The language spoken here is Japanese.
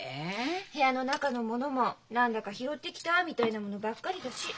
部屋の中のものも何だか拾ってきたみたいなものばっかりだし。